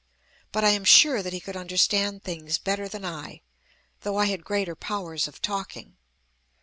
But I am sure that he could understand things better than I, though I had greater powers of talking.